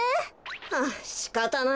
はぁしかたないな。